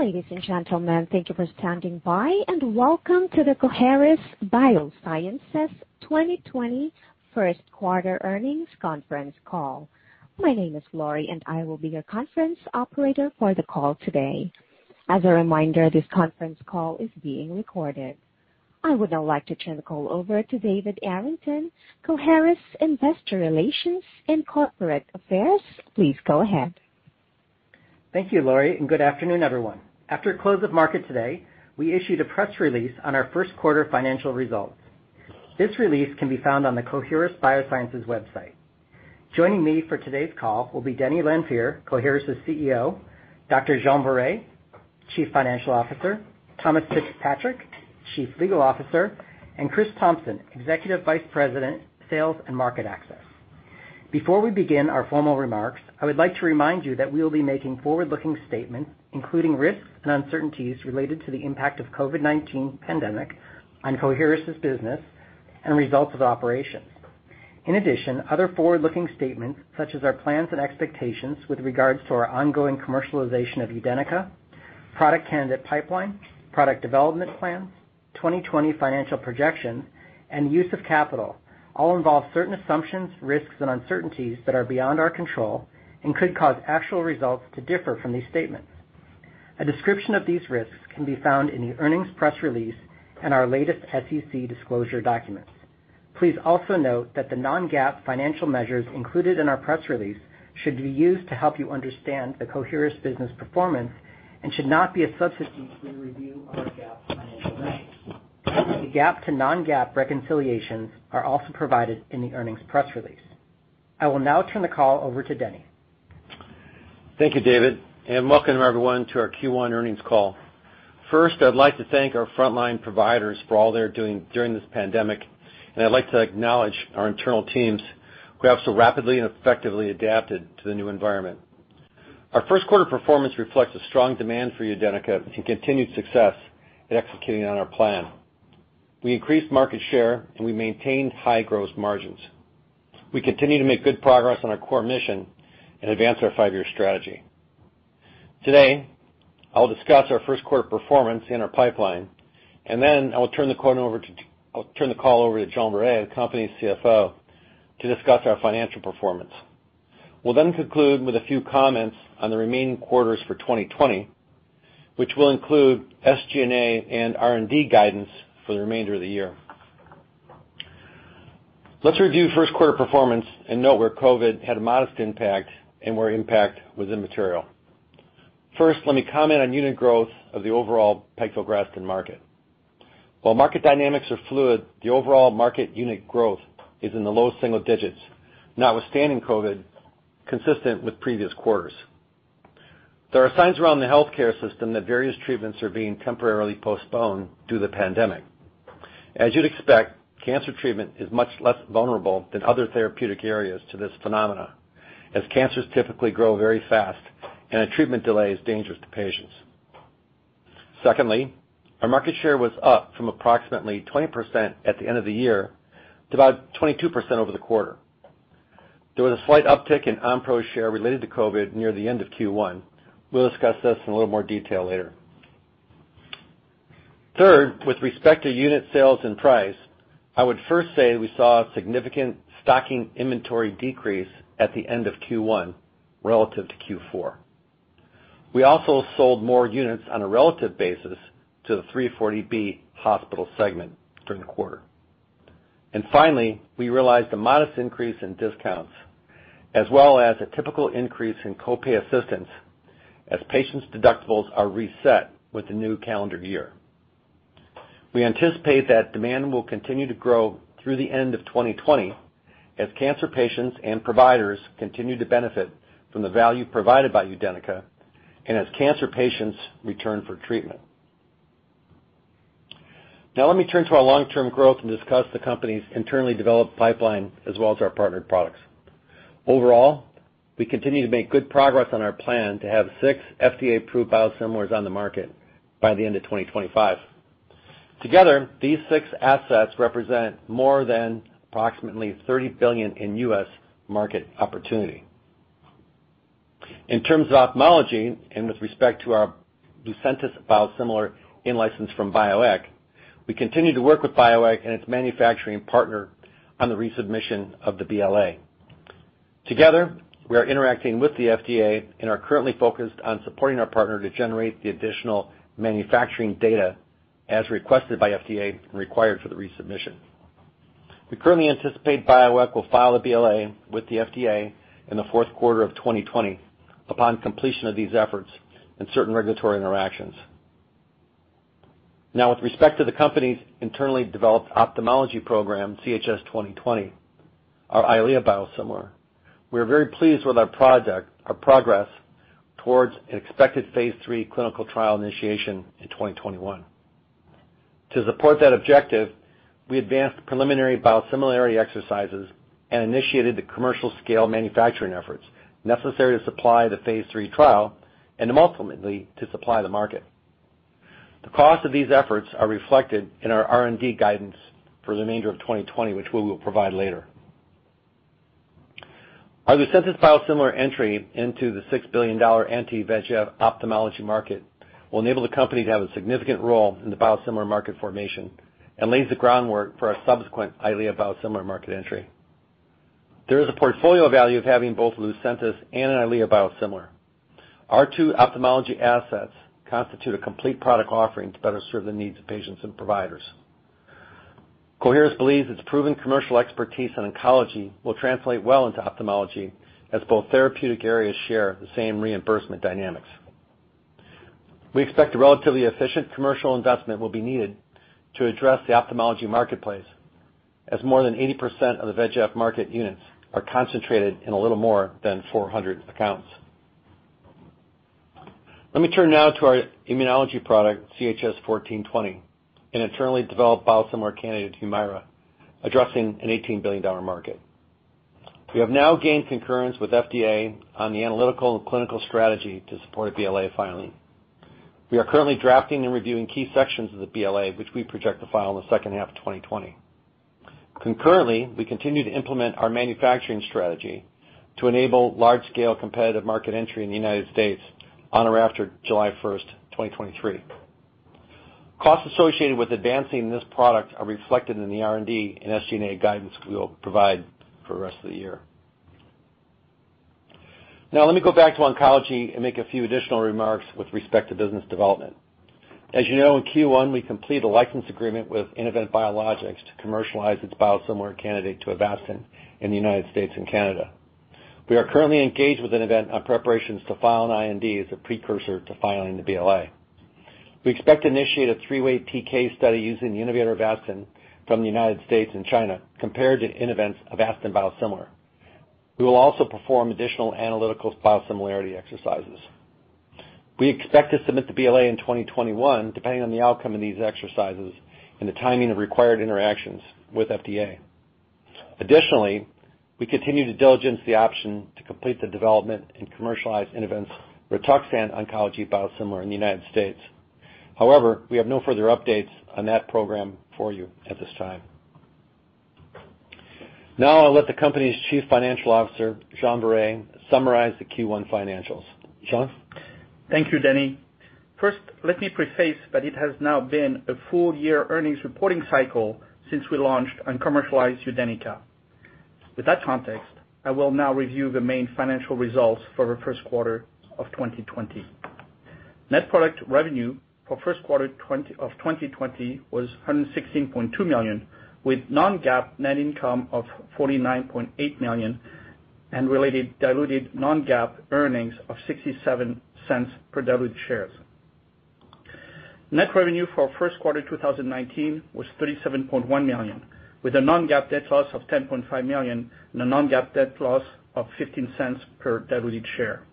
Ladies and gentlemen, thank you for standing by, and welcome to the Coherus BioSciences 2020 First Quarter Earnings Conference Call. My name is Lori, and I will be your conference operator for the call today. As a reminder, this conference call is being recorded. I would now like to turn the call over to David Arrington, Coherus investor relations and corporate affairs. Please go ahead. Thank you, Lori, and good afternoon, everyone. After close of market today, we issued a press release on our first quarter financial results. This release can be found on the Coherus BioSciences website. Joining me for today's call will be Denny Lanfear, Coherus' CEO, Dr. Jean-Frédéric Viret, Chief Financial Officer, Thomas Fitzpatrick, Chief Legal Officer, and Chris Thompson, Executive Vice President, Sales and Market Access. Before we begin our formal remarks, I would like to remind you that we will be making forward-looking statements, including risks and uncertainties related to the impact of COVID-19 pandemic on Coherus' business and results of operations. In addition, other forward-looking statements such as our plans and expectations with regards to our ongoing commercialization of UDENYCA, product candidate pipeline, product development plans, 2020 financial projection, and use of capital, all involve certain assumptions, risks, and uncertainties that are beyond our control and could cause actual results to differ from these statements. A description of these risks can be found in the earnings press release and our latest SEC disclosure documents. Please also note that the non-GAAP financial measures included in our press release should be used to help you understand the Coherus business performance and should not be a substitute for a review of our GAAP financial results. The GAAP to non-GAAP reconciliations are also provided in the earnings press release. I will now turn the call over to Denny. Thank you, David, and welcome, everyone, to our Q1 earnings call. First, I'd like to thank our frontline providers for all they're doing during this pandemic, and I'd like to acknowledge our internal teams who have so rapidly and effectively adapted to the new environment. Our first quarter performance reflects a strong demand for UDENYCA and continued success in executing on our plan. We increased market share, and we maintained high gross margins. We continue to make good progress on our core mission and advance our five-year strategy. Today, I'll discuss our first quarter performance in our pipeline, and then I'll turn the call over to Jean-Frédéric Viret, the company's CFO, to discuss our financial performance. We'll then conclude with a few comments on the remaining quarters for 2020, which will include SG&A and R&D guidance for the remainder of the year. Let's review first quarter performance and note where COVID had a modest impact and where impact was immaterial. First, let me comment on unit growth of the overall pegfilgrastim market. While market dynamics are fluid, the overall market unit growth is in the low single digits, notwithstanding COVID, consistent with previous quarters. There are signs around the healthcare system that various treatments are being temporarily postponed due to the pandemic. As you'd expect, cancer treatment is much less vulnerable than other therapeutic areas to this phenomena, as cancers typically grow very fast and a treatment delay is dangerous to patients. Secondly, our market share was up from approximately 20% at the end of the year to about 22% over the quarter. There was a slight uptick in Onpro share related to COVID near the end of Q1. We'll discuss this in a little more detail later. With respect to unit sales and price, I would first say we saw a significant stocking inventory decrease at the end of Q1 relative to Q4. We also sold more units on a relative basis to the 340B hospital segment during the quarter. Finally, we realized a modest increase in discounts as well as a typical increase in co-pay assistance as patients' deductibles are reset with the new calendar year. We anticipate that demand will continue to grow through the end of 2020 as cancer patients and providers continue to benefit from the value provided by UDENYCA and as cancer patients return for treatment. Let me turn to our long-term growth and discuss the company's internally developed pipeline as well as our partnered products. We continue to make good progress on our plan to have six FDA-approved biosimilars on the market by the end of 2025. Together, these six assets represent more than approximately $30 billion in U.S. market opportunity. In terms of ophthalmology, with respect to our Lucentis biosimilar in-licensed from Bioeq, we continue to work with Bioeq and its manufacturing partner on the resubmission of the BLA. Together, we are interacting with the FDA and are currently focused on supporting our partner to generate the additional manufacturing data as requested by FDA and required for the resubmission. We currently anticipate Bioeq will file a BLA with the FDA in the fourth quarter of 2020 upon completion of these efforts and certain regulatory interactions. With respect to the company's internally developed ophthalmology program, CHS-2020, our EYLEA biosimilar, we are very pleased with our progress towards an expected phase III clinical trial initiation in 2021. To support that objective, we advanced preliminary biosimilarity exercises and initiated the commercial scale manufacturing efforts necessary to supply the phase III trial and ultimately to supply the market. The cost of these efforts are reflected in our R&D guidance for the remainder of 2020, which we will provide later. Our Lucentis biosimilar entry into the $6 billion anti-VEGF ophthalmology market will enable the company to have a significant role in the biosimilar market formation and lays the groundwork for our subsequent EYLEA biosimilar market entry. There is a portfolio value of having both Lucentis and an EYLEA biosimilar. Our two ophthalmology assets constitute a complete product offering to better serve the needs of patients and providers. Coherus believes its proven commercial expertise in oncology will translate well into ophthalmology, as both therapeutic areas share the same reimbursement dynamics. We expect a relatively efficient commercial investment will be needed to address the ophthalmology marketplace, as more than 80% of the VEGF market units are concentrated in a little more than 400 accounts. Let me turn now to our immunology product, CHS-1420, an internally developed biosimilar candidate to HUMIRA, addressing an $18 billion market. We have now gained concurrence with FDA on the analytical and clinical strategy to support a BLA filing. We are currently drafting and reviewing key sections of the BLA, which we project to file in the second half of 2020. Concurrently, we continue to implement our manufacturing strategy to enable large-scale competitive market entry in the United States on or after July 1st, 2023. Costs associated with advancing this product are reflected in the R&D and SG&A guidance we will provide for the rest of the year. Now, let me go back to oncology and make a few additional remarks with respect to business development. As you know, in Q1, we completed a license agreement with Innovent Biologics to commercialize its biosimilar candidate to Avastin in the U.S. and Canada. We are currently engaged with Innovent on preparations to file an IND as a precursor to filing the BLA. We expect to initiate a three-way PK study using innovator Avastin from the U.S. and China, compared to Innovent's Avastin biosimilar. We will also perform additional analytical biosimilarity exercises. We expect to submit the BLA in 2021, depending on the outcome of these exercises and the timing of required interactions with FDA. We continue to diligence the option to complete the development and commercialize Innovent's Rituxan oncology biosimilar in the U.S. However, we have no further updates on that program for you at this time. Now, I'll let the company's Chief Financial Officer, Jean Viret, summarize the Q1 financials. Jean? Thank you, Denny. First, let me preface that it has now been a full year earnings reporting cycle since we launched and commercialized UDENYCA. With that context, I will now review the main financial results for the first quarter of 2020. Net product revenue for first quarter of 2020 was $116.2 million, with non-GAAP net income of $49.8 million and related diluted non-GAAP earnings of $0.67 per diluted shares. Net revenue for first quarter 2019 was $37.1 million, with a non-GAAP net loss of $10.5 million and a non-GAAP net loss of $0.15 per diluted share.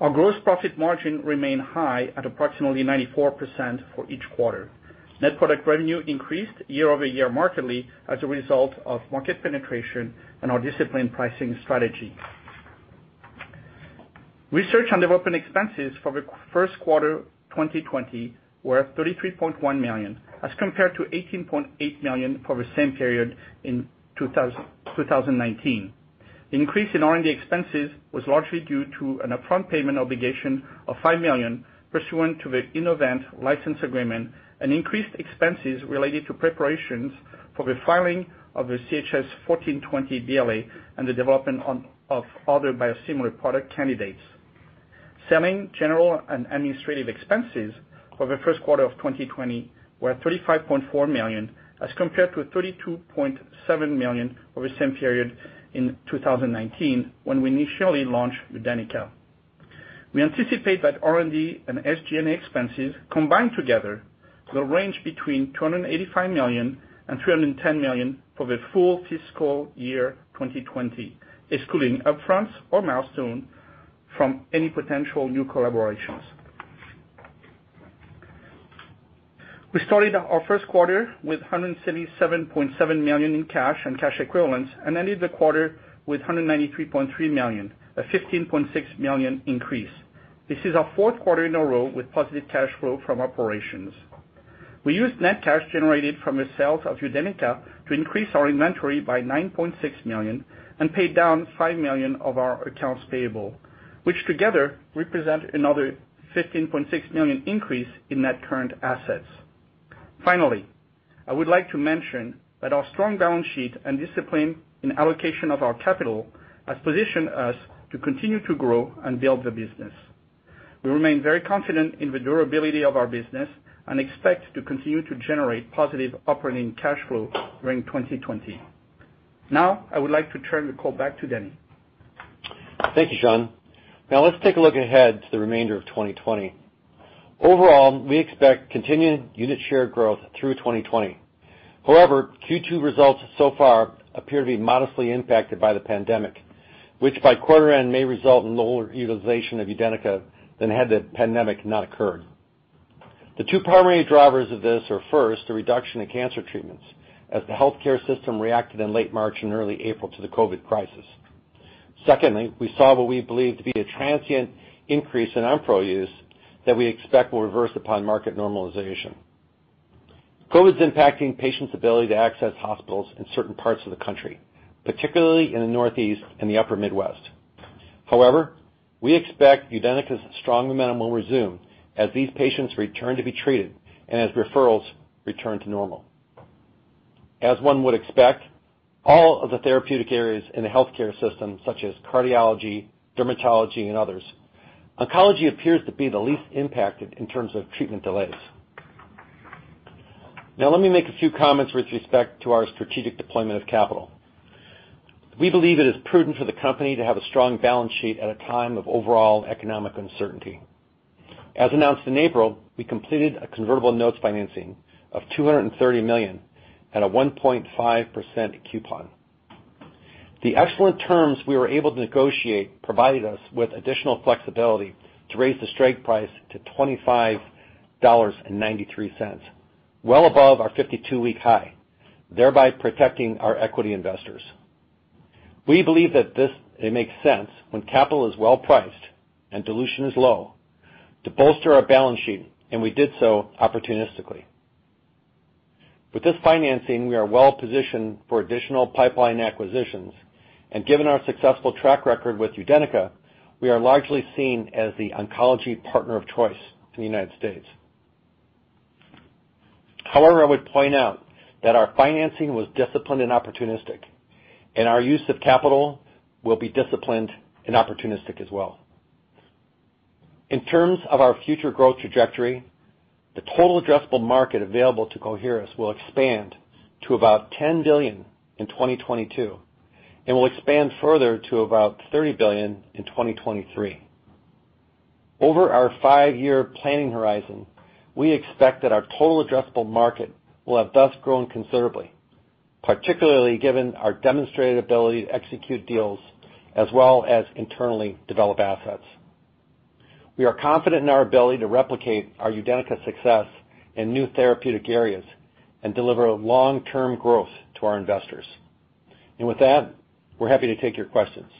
Our gross profit margin remained high at approximately 94% for each quarter. Net product revenue increased year-over-year markedly as a result of market penetration and our disciplined pricing strategy. Research and development expenses for the first quarter 2020 were $33.1 million as compared to $18.8 million for the same period in 2019. The increase in R&D expenses was largely due to an upfront payment obligation of $5 million pursuant to the Innovent license agreement and increased expenses related to preparations for the filing of the CHS-1420 BLA and the development of other biosimilar product candidates. Selling, general, and administrative expenses for the first quarter of 2020 were $35.4 million as compared to $32.7 million over the same period in 2019, when we initially launched UDENYCA. We anticipate that R&D and SG&A expenses combined together will range between $285 million and $310 million for the full fiscal year 2020, excluding upfronts or milestones from any potential new collaborations. We started our first quarter with $177.7 million in cash and cash equivalents and ended the quarter with $193.3 million, a $15.6 million increase. This is our fourth quarter in a row with positive cash flow from operations. We used net cash generated from the sales of UDENYCA to increase our inventory by $9.6 million and pay down $5 million of our accounts payable, which together represent another $15.6 million increase in net current assets. Finally, I would like to mention that our strong balance sheet and discipline in allocation of our capital has positioned us to continue to grow and build the business. We remain very confident in the durability of our business and expect to continue to generate positive operating cash flow during 2020. Now, I would like to turn the call back to Denny. Thank you, Jean. Let's take a look ahead to the remainder of 2020. Overall, we expect continued unit share growth through 2020. Q2 results so far appear to be modestly impacted by the pandemic, which by quarter end may result in lower utilization of UDENYCA than had the pandemic not occurred. The two primary drivers of this are, first, the reduction in cancer treatments as the healthcare system reacted in late March and early April to the COVID crisis. Secondly, we saw what we believe to be a transient increase in Onpro use that we expect will reverse upon market normalization. COVID's impacting patients' ability to access hospitals in certain parts of the country, particularly in the Northeast and the upper Midwest. We expect UDENYCA's strong momentum will resume as these patients return to be treated and as referrals return to normal. As one would expect, all of the therapeutic areas in the healthcare system, such as cardiology, dermatology, and others, oncology appears to be the least impacted in terms of treatment delays. Let me make a few comments with respect to our strategic deployment of capital. We believe it is prudent for the company to have a strong balance sheet at a time of overall economic uncertainty. As announced in April, we completed a convertible notes financing of $230 million at a 1.5% coupon. The excellent terms we were able to negotiate provided us with additional flexibility to raise the strike price to $25.93, well above our 52-week high, thereby protecting our equity investors. We believe that this makes sense when capital is well-priced and dilution is low to bolster our balance sheet. We did so opportunistically. With this financing, we are well-positioned for additional pipeline acquisitions. Given our successful track record with UDENYCA, we are largely seen as the oncology partner of choice in the United States. I would point out that our financing was disciplined and opportunistic, and our use of capital will be disciplined and opportunistic as well. In terms of our future growth trajectory, the total addressable market available to Coherus will expand to about $10 billion in 2022 and will expand further to about $30 billion in 2023. Over our five-year planning horizon, we expect that our total addressable market will have thus grown considerably, particularly given our demonstrated ability to execute deals as well as internally develop assets. We are confident in our ability to replicate our UDENYCA success in new therapeutic areas and deliver long-term growth to our investors. With that, we're happy to take your questions.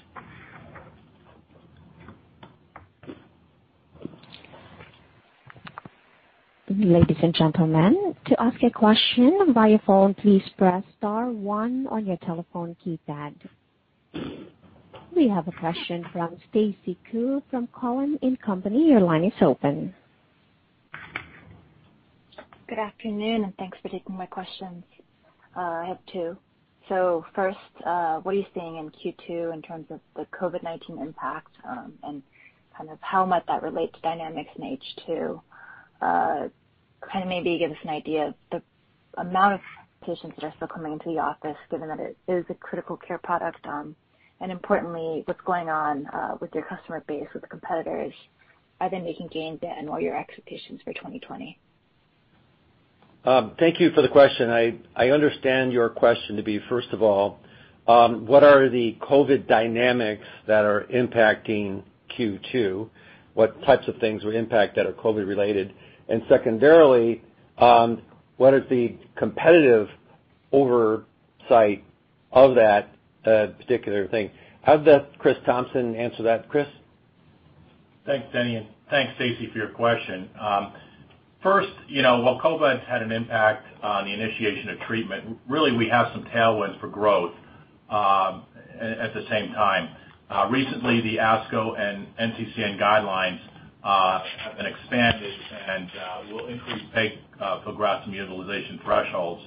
Ladies and gentlemen, to ask a question via phone, please press star one on your telephone keypad. We have a question from Stacy Ku from Cowen and Company. Your line is open. Good afternoon, thanks for taking my questions. I have two. First, what are you seeing in Q2 in terms of the COVID-19 impact and how much that relates to dynamics in H2? Maybe give us an idea of the amount of patients that are still coming into the office, given that it is a critical care product. Importantly, what's going on with your customer base with the competitors? Are they making gains there and what are your expectations for 2020? Thank you for the question. I understand your question to be, first of all, what are the COVID dynamics that are impacting Q2? What types of things would impact that are COVID related? Secondarily, what is the competitive oversight of that particular thing? I'll have Chris Thompson answer that. Chris? Thanks, Denny, and thanks, Stacy, for your question. First, while COVID's had an impact on the initiation of treatment, really, we have some tailwinds for growth at the same time. Recently, the ASCO and NCCN guidelines have been expanded and will increase pegfilgrastim utilization thresholds.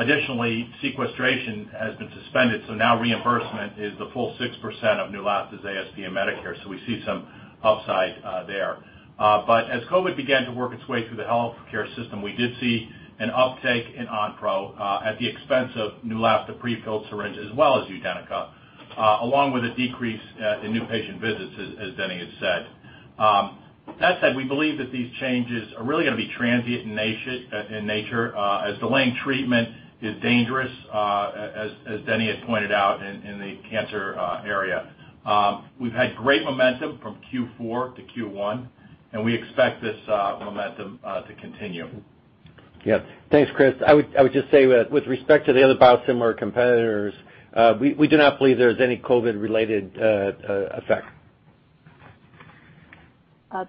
Sequestration has been suspended, now reimbursement is the full 6% of Neulasta's ASP in Medicare. We see some upside there. As COVID began to work its way through the healthcare system, we did see an uptake in Onpro at the expense of Neulasta prefilled syringe, as well as UDENYCA, along with a decrease in new patient visits, as Denny has said. That said, we believe that these changes are really going to be transient in nature, as delaying treatment is dangerous, as Denny has pointed out in the cancer area. We've had great momentum from Q4 to Q1, and we expect this momentum to continue. Thanks, Chris. I would just say with respect to the other biosimilar competitors, we do not believe there's any COVID related effect.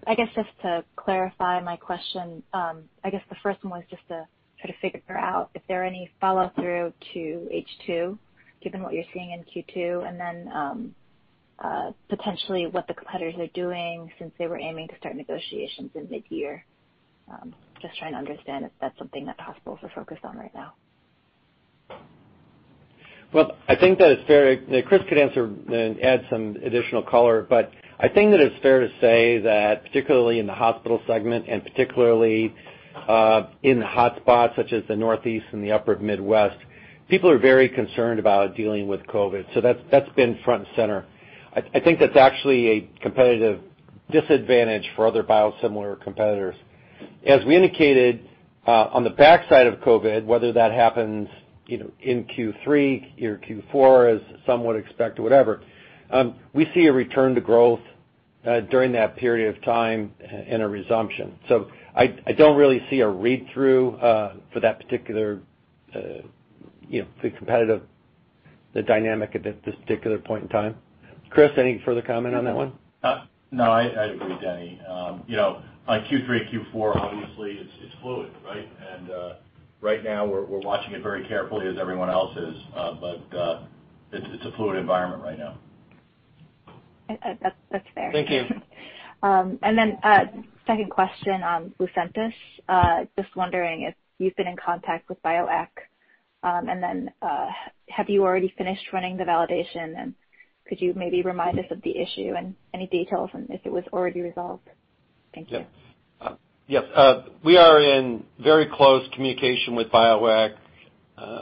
I guess just to clarify my question, I guess the first one was just to try to figure out if there are any follow-through to H2, given what you're seeing in Q2, and then potentially what the competitors are doing since they were aiming to start negotiations in mid-year. Just trying to understand if that's something that hospitals are focused on right now. Chris could answer and add some additional color, but I think that it's fair to say that particularly in the hospital segment and particularly in hotspots such as the Northeast and the upper Midwest, people are very concerned about dealing with COVID-19. That's been front and center. I think that's actually a competitive disadvantage for other biosimilar competitors. As we indicated on the backside of COVID-19, whether that happens in Q3 or Q4 as some would expect or whatever, we see a return to growth during that period of time and a resumption. I don't really see a read-through for that particular competitive. The dynamic at this particular point in time. Chris, any further comment on that one? No, I agree, Denny. Q3, Q4, obviously it's fluid. Right now, we're watching it very carefully as everyone else is. It's a fluid environment right now. That's fair. Thank you. Second question on Lucentis. Just wondering if you've been in contact with Bioeq, and then have you already finished running the validation, and could you maybe remind us of the issue and any details on if it was already resolved? Thank you. We are in very close communication with Bioeq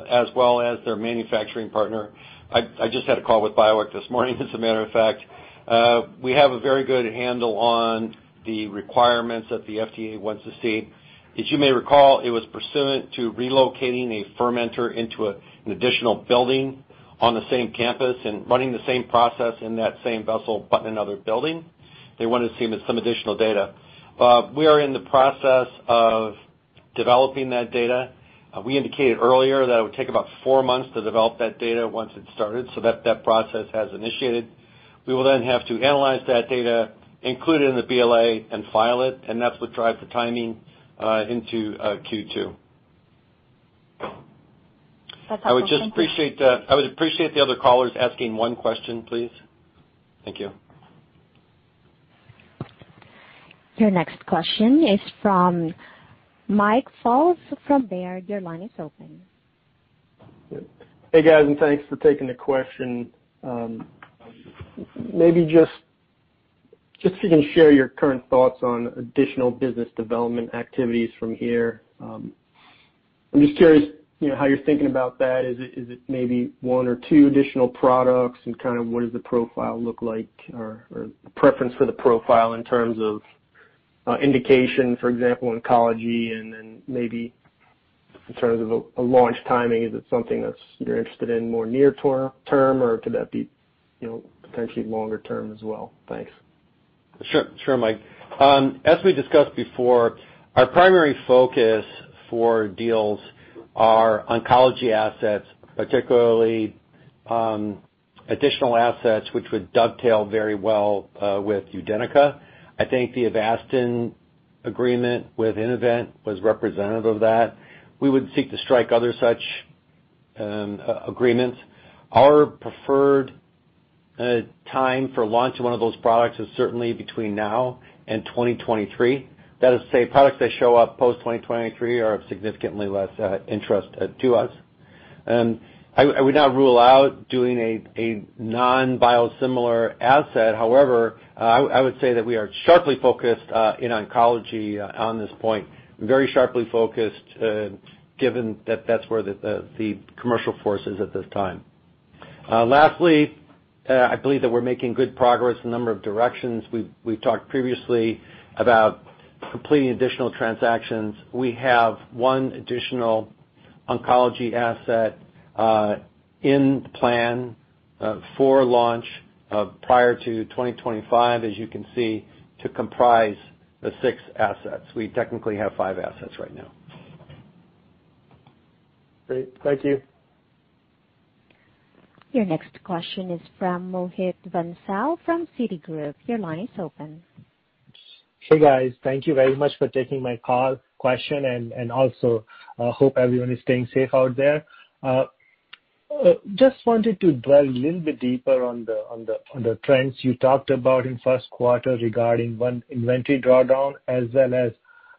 as well as their manufacturing partner. I just had a call with Bioeq this morning, as a matter of fact. We have a very good handle on the requirements that the FDA wants to see. As you may recall, it was pursuant to relocating a fermenter into an additional building on the same campus and running the same process in that same vessel, but in another building. They wanted to see some additional data. We are in the process of developing that data. We indicated earlier that it would take about four months to develop that data once it started, so that process has initiated. We will then have to analyze that data, include it in the BLA, and file it, and that's what drives the timing into Q2. That's helpful. Thank you. I would appreciate the other callers asking one question, please. Thank you. Your next question is from Mike Ulz from Baird. Your line is open. Hey, guys, thanks for taking the question. Maybe just if you can share your current thoughts on additional business development activities from here. I'm just curious how you're thinking about that. Is it maybe one or two additional products? What does the profile look like, or preference for the profile in terms of indication, for example, oncology, and then maybe in terms of a launch timing, is it something that you're interested in more near term, or could that be potentially longer term as well? Thanks. Sure, Mike. As we discussed before, our primary focus for deals are oncology assets, particularly additional assets which would dovetail very well with UDENYCA. I think the Avastin agreement with Innovent was representative of that. We would seek to strike other such agreements. Our preferred time for launch of one of those products is certainly between now and 2023. That is to say, products that show up post-2023 are of significantly less interest to us. I would not rule out doing a non-biosimilar asset. However, I would say that we are sharply focused in oncology on this point. Very sharply focused, given that that's where the commercial force is at this time. Lastly, I believe that we're making good progress in a number of directions. We've talked previously about completing additional transactions. We have one additional oncology asset in plan for launch prior to 2025, as you can see, to comprise the six assets. We technically have five assets right now. Great. Thank you. Your next question is from Mohit Bansal from Citigroup. Your line is open. Hey, guys. Thank you very much for taking my question, and also hope everyone is staying safe out there. Just wanted to drill a little bit deeper on the trends you talked about in first quarter regarding, one, inventory drawdown, as well as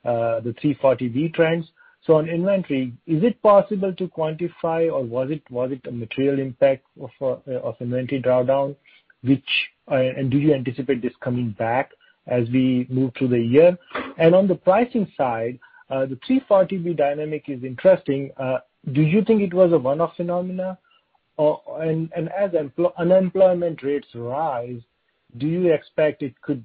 the 340B trends. On inventory, is it possible to quantify, or was it a material impact of inventory drawdown? Do you anticipate this coming back as we move through the year? On the pricing side, the 340B dynamic is interesting. Do you think it was a one-off phenomena? As unemployment rates rise, do you expect it could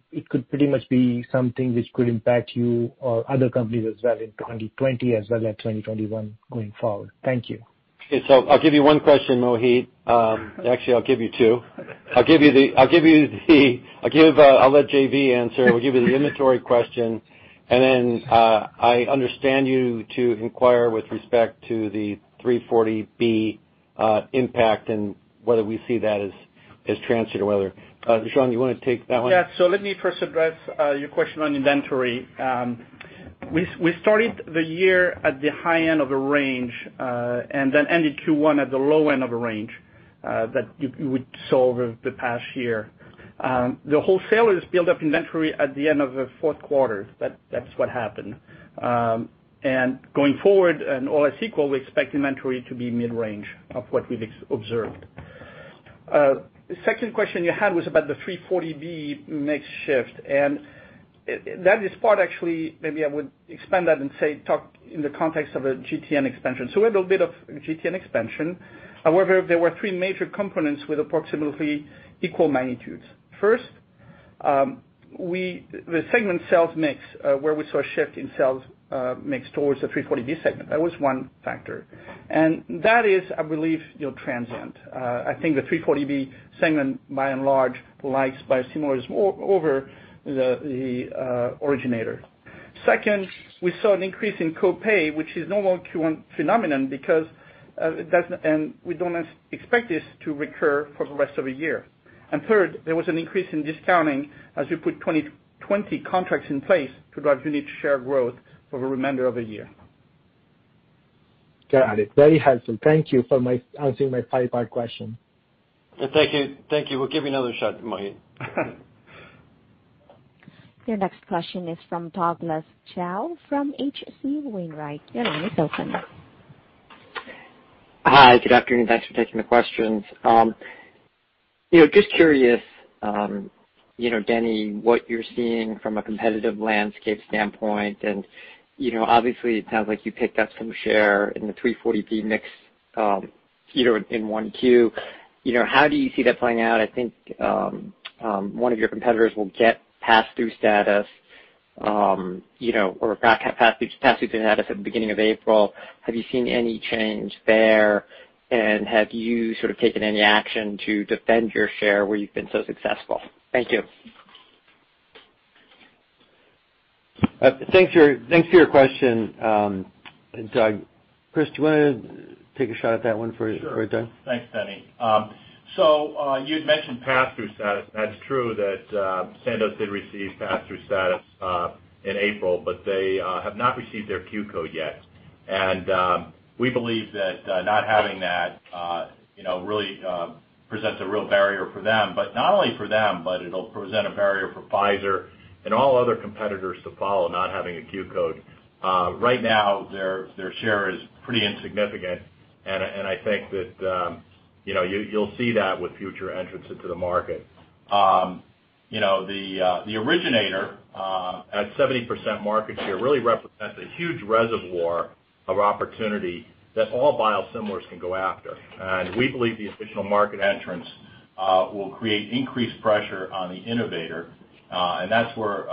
pretty much be something which could impact you or other companies as well in 2020 as well as 2021 going forward? Thank you. Okay. I'll give you one question, Mohit. Actually, I'll give you two. I'll let JV answer. We'll give you the inventory question, I understand you to inquire with respect to the 340B impact and whether we see that as transient or Jean, you want to take that one? Yeah. Let me first address your question on inventory. We started the year at the high end of the range, ended Q1 at the low end of the range that you would saw over the past year. The wholesalers built up inventory at the end of the fourth quarter. That's what happened. Going forward, and all else equal, we expect inventory to be mid-range of what we've observed. Second question you had was about the 340B mix shift, and that is part, actually, maybe I would expand that and say talk in the context of a GTN expansion. We had a little bit of GTN expansion. However, there were three major components with approximately equal magnitudes. First, the segment sales mix where we saw a shift in sales mix towards the 340B segment. That was one factor. That is, I believe, transient. I think the 340B segment, by and large, likes biosimilars over the originator. We saw an increase in co-pay, which is normal a Q1 phenomenon, and we don't expect this to recur for the rest of the year. Third, there was an increase in discounting as we put 2020 contracts in place to drive unit share growth for the remainder of the year. Got it. Very helpful. Thank you for answering my five whys question. Thank you. We'll give you another shot, Mohit. Your next question is from Douglas Tsao from H.C. Wainwright. Your line is open. Hi. Good afternoon. Thanks for taking the questions. Just curious, Denny, what you're seeing from a competitive landscape standpoint, and obviously it sounds like you picked up some share in the 340B mix in 1Q. How do you see that playing out? I think one of your competitors will get pass-through status or pass-through status at the beginning of April. Have you seen any change there? Have you sort of taken any action to defend your share where you've been so successful? Thank you. Thanks for your question, Doug. Chris, do you want to take a shot at that one for Doug? Sure. Thanks, Denny. You'd mentioned pass-through status. That's true that Sandoz did receive pass-through status in April, but they have not received their Q-code yet. We believe that not having that really presents a real barrier for them, but not only for them, but it'll present a barrier for Pfizer and all other competitors to follow, not having a Q-code. Right now, their share is pretty insignificant, and I think that you'll see that with future entrants into the market. The originator, at 70% market share, really represents a huge reservoir of opportunity that all biosimilars can go after. We believe the additional market entrants will create increased pressure on the innovator. That's where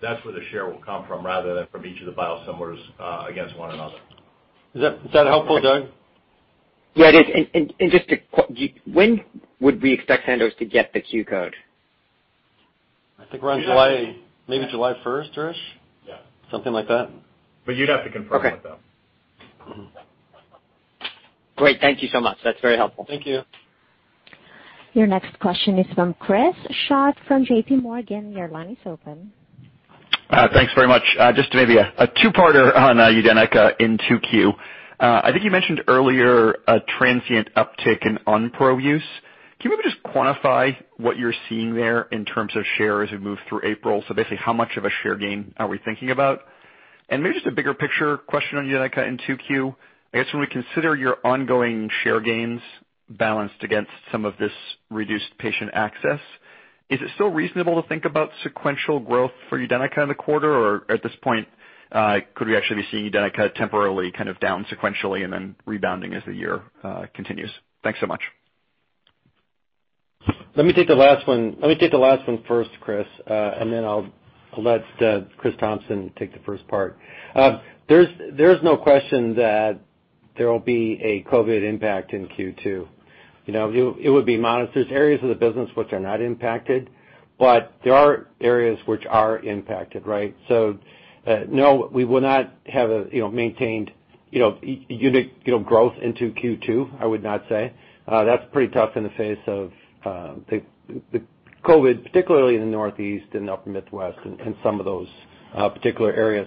the share will come from rather than from each of the biosimilars against one another. Is that helpful, Doug? Yeah, it is. When would we expect Sandoz to get the Q-code? I think around July. Maybe July first-ish. Yeah. Something like that. You'd have to confirm with them. Okay. Great. Thank you so much. That's very helpful. Thank you. Your next question is from Chris Schott from JPMorgan. Your line is open. Thanks very much. Just maybe a two-parter on UDENYCA in 2Q. I think you mentioned earlier a transient uptick in Onpro use. Can you maybe just quantify what you're seeing there in terms of share as we move through April? Basically, how much of a share gain are we thinking about? Maybe just a bigger picture question on UDENYCA in 2Q. I guess when we consider your ongoing share gains balanced against some of this reduced patient access, is it still reasonable to think about sequential growth for UDENYCA in the quarter? At this point, could we actually be seeing UDENYCA temporarily down sequentially and then rebounding as the year continues? Thanks so much. Let me take the last one first, Chris, then I'll let Chris Thompson take the first part. There's no question that there'll be a COVID impact in Q2. It would be modest. There's areas of the business which are not impacted, but there are areas which are impacted, right? No, we will not have maintained unit growth into Q2, I would not say. That's pretty tough in the face of the COVID, particularly in the Northeast and the Upper Midwest, and some of those particular areas.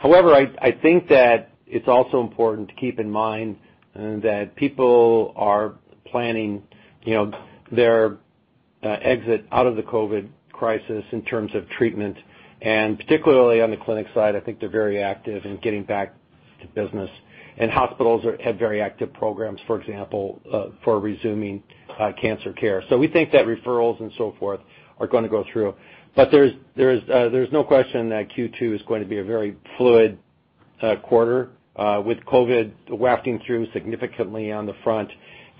However, I think that it's also important to keep in mind that people are planning their exit out of the COVID crisis in terms of treatment, and particularly on the clinic side, I think they're very active in getting back to business. Hospitals have very active programs, for example, for resuming cancer care. We think that referrals and so forth are going to go through. There's no question that Q2 is going to be a very fluid quarter with COVID-19 wafting through significantly on the front.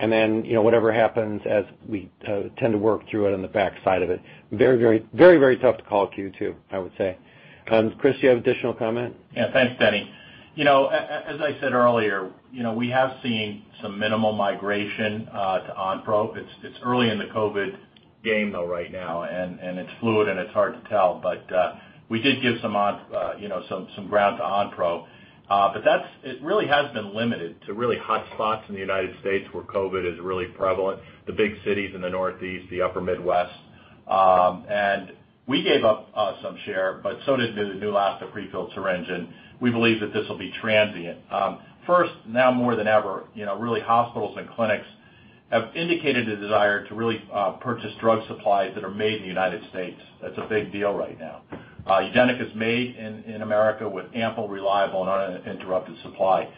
Whatever happens as we tend to work through it on the backside of it. Very, very tough to call Q2, I would say. Chris, you have additional comment? Thanks, Denny. As I said earlier, we have seen some minimal migration to Onpro. It's early in the COVID game though right now, and it's fluid, and it's hard to tell, but we did give some ground to Onpro. It really has been limited to really hot spots in the U.S. where COVID is really prevalent, the big cities in the Northeast, the Upper Midwest. We gave up some share, but so did Neulasta prefilled syringe, and we believe that this will be transient. First, now more than ever, really hospitals and clinics have indicated a desire to really purchase drug supplies that are made in the U.S. That's a big deal right now. UDENYCA is made in America with ample, reliable, and uninterrupted supply.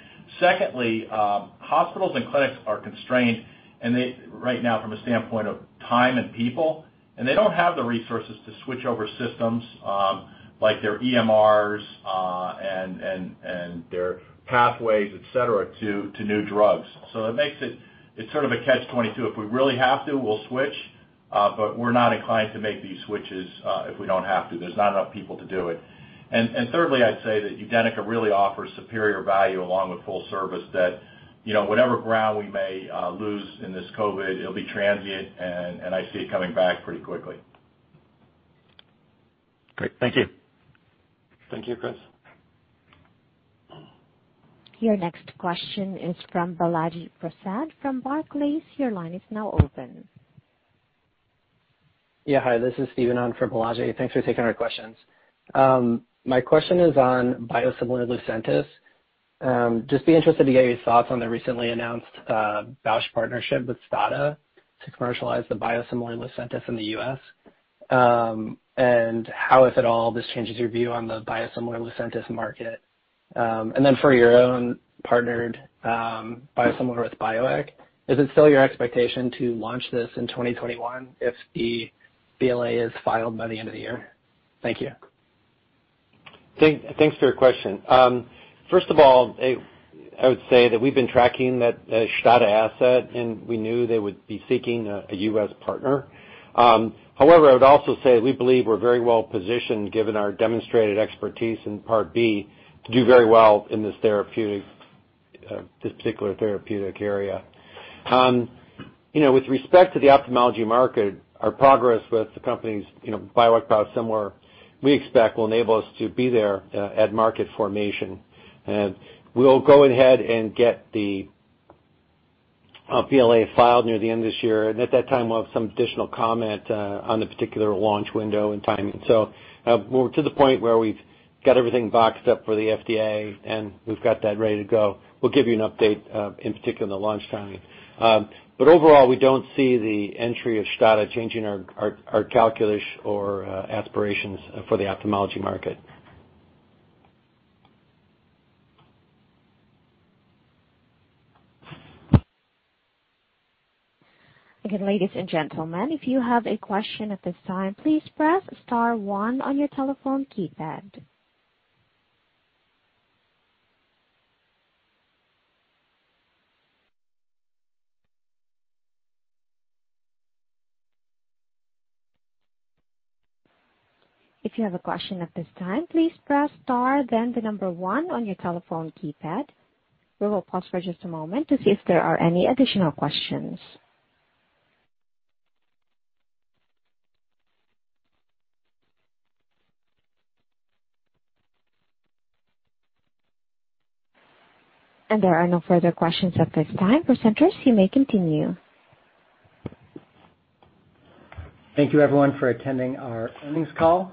Hospitals and clinics are constrained right now from a standpoint of time and people, and they don't have the resources to switch over systems like their EMRs, and their pathways, et cetera, to new drugs. It makes it sort of a catch 22. If we really have to, we'll switch, but we're not inclined to make these switches if we don't have to. There's not enough people to do it. Thirdly, I'd say that UDENYCA really offers superior value along with full service that whatever ground we may lose in this COVID, it'll be transient, and I see it coming back pretty quickly. Great. Thank you. Thank you, Chris. Your next question is from Balaji Prasad from Barclays. Your line is now open. Hi. This is Stephen on for Balaji. Thanks for taking our questions. My question is on biosimilar Lucentis. Just be interested to get your thoughts on the recently announced Bausch partnership with STADA to commercialize the biosimilar Lucentis in the U.S. How, if at all, this changes your view on the biosimilar Lucentis market. For your own partnered biosimilar with Bioeq, is it still your expectation to launch this in 2021 if the BLA is filed by the end of the year? Thank you. Thanks for your question. First of all, I would say that we've been tracking that STADA asset, and we knew they would be seeking a U.S. partner. However, I would also say we believe we're very well positioned, given our demonstrated expertise in Part B, to do very well in this particular therapeutic area. With respect to the ophthalmology market, our progress with the company's biosimilar, we expect, will enable us to be there at market formation. We'll go ahead and get the BLA filed near the end of this year. At that time, we'll have some additional comment on the particular launch window and timing. We're to the point where we've got everything boxed up for the FDA, and we've got that ready to go. We'll give you an update, in particular on the launch timing. Overall, we don't see the entry of STADA changing our calculus or aspirations for the ophthalmology market. Again, ladies and gentlemen, if you have a question at this time, please press star one on your telephone keypad. If you have a question at this time, please press star, then the number one on your telephone keypad. We will pause for just a moment to see if there are any additional questions. There are no further questions at this time. Presenters, you may continue. Thank you everyone for attending our earnings call.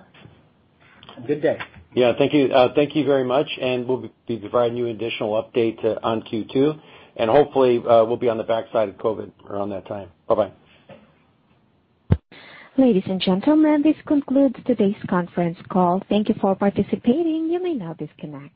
Have a good day. Yeah. Thank you very much. We'll be providing you additional updates on Q2, and hopefully, we'll be on the backside of COVID around that time. Bye-bye. Ladies and gentlemen, this concludes today's conference call. Thank you for participating. You may now disconnect.